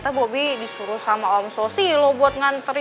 ah bobi kamu baik banget sih